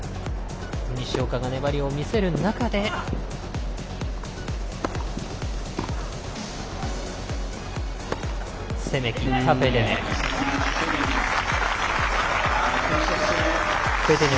西岡が粘りを見せる中で攻めきったベデネ。